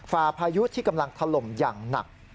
พาพายุที่กำลังถล่มอย่างหนัก